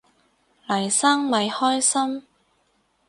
黎生咪開心